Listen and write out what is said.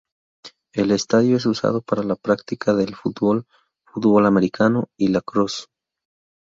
El estadio es usado para la práctica del fútbol, fútbol americano y lacrosse.